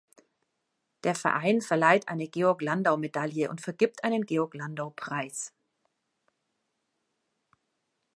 Der Verein verleiht eine Georg-Landau-Medaille und vergibt einen Georg-Landau-Preis.